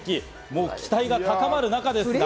もう期待が高まる中ですが。